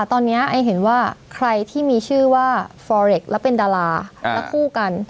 ตอนเนี้ยไอเห็นว่าใครที่มีชื่อว่าแล้วเป็นดาราแล้วคู่กัน